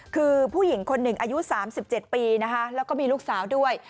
คือผู้หญิงคนหนึ่งอายุ๓๗ปีนะคะแล้วก็มีลูกสาวด้วย